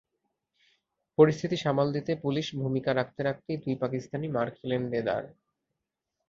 পরিস্থিতি সামাল দিতে পুলিশ ভূমিকা রাখতে রাখতেই দুই পাকিস্তানি মার খেলেন দেদার।